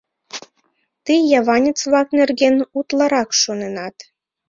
Тый яванец-влак нерген утларак шоненат.